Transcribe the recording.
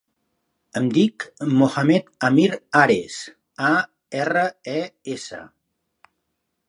Em dic Mohamed amir Ares: a, erra, e, essa.